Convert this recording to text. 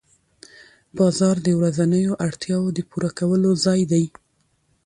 بازار د ورځنیو اړتیاوو د پوره کولو ځای دی